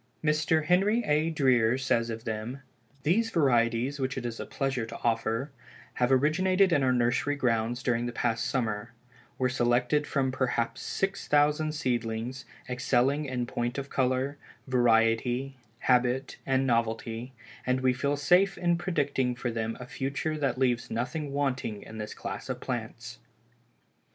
Mr. Henry A. Dreer says of them: "These varieties which it is a pleasure to offer, have originated in our nursery grounds during the past summer, were selected from perhaps six thousand seedlings excelling in point of color, variety, habit and novelty, and we feel safe in predicting for them a future that leaves nothing wanting in this class of plants."